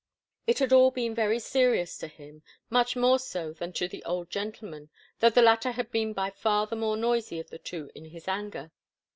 It had all been very serious to him, much more so than to the old gentleman, though the latter had been by far the more noisy of the two in his anger.